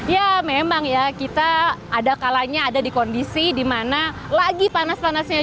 ya memang ya kita ada kalanya ada di kondisi di mana lagi panas panasnya